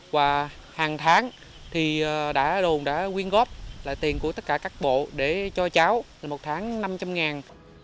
và hàng tháng thì đã đồn đã quyên góp lại tiền của tất cả các bộ để cho cháu một tháng năm trăm linh ngàn